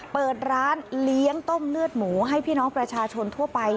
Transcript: เปิดร้านเลี้ยงต้มเลือดหมูให้พี่น้องประชาชนทั่วไป